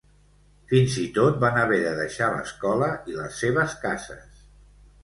Fins i tot van haver de deixar l'escola i les seves cases.